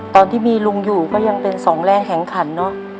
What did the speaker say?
ตอนที่มีลุงอยู่ก็ยังเป็นสองแรงแข็งขันเนอะ